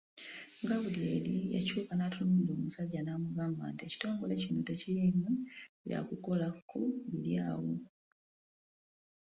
Gaabulyeri yakyuka n’atunuulira omusajja n’amugamba nti, “Ekitongole kino tekiriimu bya kukolako biri awo.